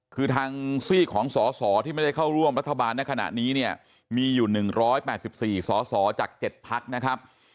คือทางซีกของสอสอที่ไม่ได้เข้าร่วมรัฐบาลในขณะนี้เนี่ยมีอยู่๑๘๔สสจาก๗พักนะครับ